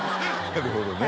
なるほどね。